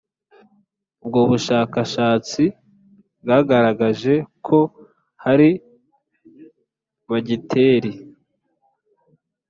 Ubwo bushakashatsi bwagaragaje ko hari bagiteri